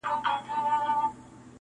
هره ورځ له قهره نه وو پړسېدلی -